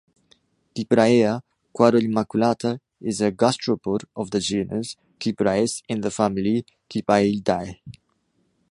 Cypraea quadrimaculata is a gastropod of the genus Cypraes in the family Cypaeidae.